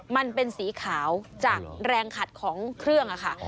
มันเป็นสีขาวจากแรงขัดของเครื่องค่ะ